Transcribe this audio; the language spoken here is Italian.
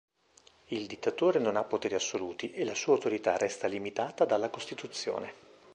Il dittatore non ha poteri assoluti e la sua autorità resta limitata dalla Costituzione.